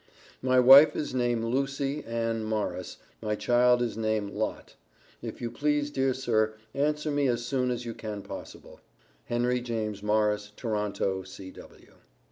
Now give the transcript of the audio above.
My wife is name lucy an morris my child is name lot, if you please dear sir answer me as soon as you can posable. HENRY JAMES MORRIS, Toronto C.W.